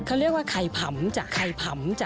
เค้าเรียกว่าไข่ไข่พำจ่ะ